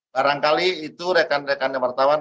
barangkali itu rekan rekan yang bertahuan